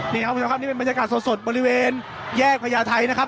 นี่ครับคุณผู้ชมครับนี่เป็นบรรยากาศสดบริเวณแยกพญาไทยนะครับ